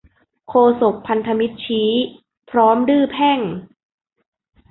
โฆษกพันธมิตรชี้ พร้อมดื้อแพ่ง